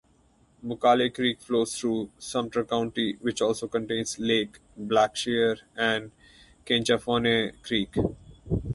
Muckalee Creek flows through Sumter County, which also contains Lake Blackshear and Kinchafoonee Creek.